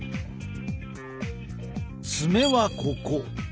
爪はここ。